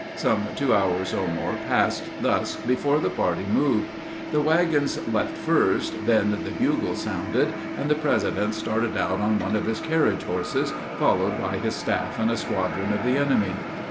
Some two hours or more passed thus before the party moved. The wagons left first, then the bugles sounded, and the president started on one of his carriage horses, followed by his staff and a squadron of the enemy.